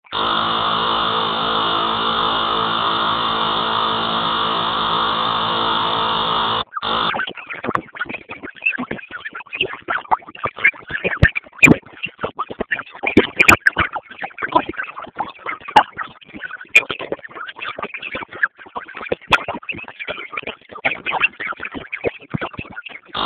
عقلمند هغه دئ، چي جنګ په امن بدل کي.